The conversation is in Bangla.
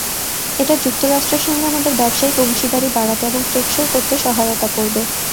এটা যুক্তরাষ্ট্রের সঙ্গে আমাদের ব্যবসায়িক অংশীদারি বাড়াতে এবং টেকসই করতে সহায়তা করবে।